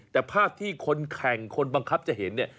แต่ภาพที่คนแข่งคนบังคับจะเห็นเนี่ย